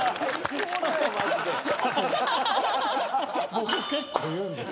僕結構言うんです。